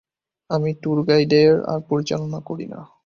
আমি ট্যুর গাইডের আর পরিচালনা করি না।